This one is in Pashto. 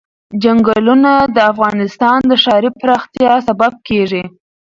چنګلونه د افغانستان د ښاري پراختیا سبب کېږي.